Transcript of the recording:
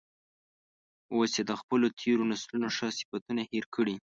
اوس یې د خپلو تیرو نسلونو ښه صفتونه هیر کړي.